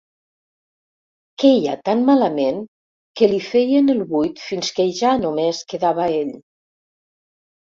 Queia tan malament que li feien el buit fins que ja només quedava ell.